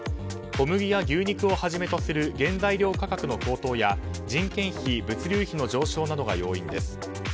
小麦や牛肉をはじめとする原材料価格の高騰や人件費物流費の上昇などが要因です。